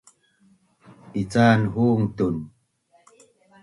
Ican hung tun